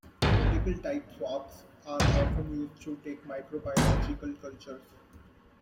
Medical-type swabs are often used to take microbiological cultures.